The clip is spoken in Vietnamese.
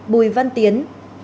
bùi văn tiến